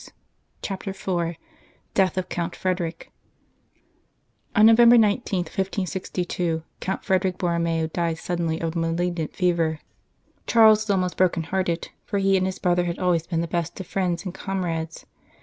18 CHAPTER IV DEATH OF COUNT FREDERICK ON November 19, 1562, Count Frederick Borromeo died suddenly of a malignant fever. Charles was almost broken hearted, for he and his brother had always been the best of friends and comrades.